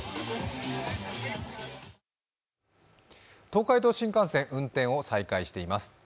東海道新幹線、運転を再開しています。